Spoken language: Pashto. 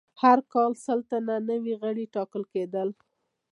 هر کال سل تنه نوي غړي ټاکل کېدل.